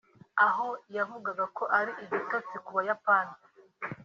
aho yavugaga ko ari igitotsi ku bayapani